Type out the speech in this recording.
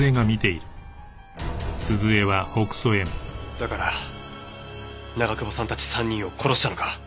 だから長久保さんたち３人を殺したのか？